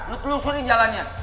lo telusuri jalannya